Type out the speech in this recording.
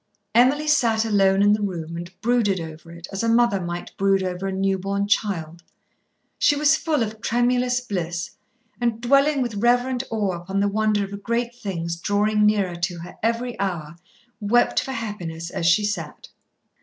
Emily sat alone in the room and brooded over it as a mother might brood over a new born child. She was full of tremulous bliss, and, dwelling with reverent awe upon the wonder of great things drawing nearer to her every hour, wept for happiness as she sat.